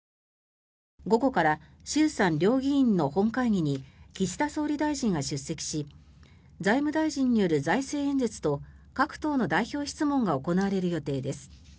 午後から衆参両議院の本会議に岸田総理大臣が出席し財務大臣による財政演説と各党の代表質問が行われる予定です。